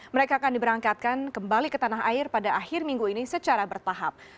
mereka akan diberangkatkan kembali ke tanah air pada akhir minggu ini secara bertahap